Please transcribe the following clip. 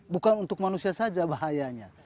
bukan untuk manusia saja bahayanya